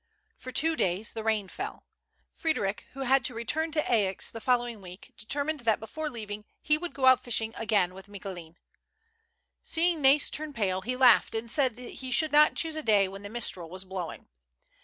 For two days the rain fell. Frederic, who had to return to Aix the following week, determined that before leaving he would go out fishing again with Micoulin. Seeing Nais turn pale, he laughed and said that he should not choose a day when the mistral was blowing.